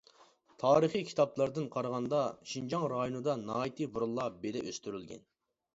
تارىخىي كىتابلاردىن قارىغاندا، شىنجاڭ رايونىدا ناھايىتى بۇرۇنلا بېدە ئۆستۈرۈلگەن.